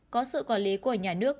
có sự quản lý của nhà nước